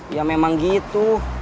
ya memang gitu